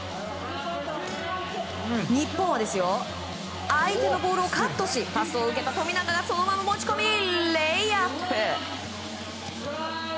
日本は相手のボールをカットしパスを受けた富永がそのまま持ち込みレイアップ！